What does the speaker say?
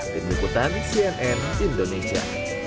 tim ikutan cnn indonesia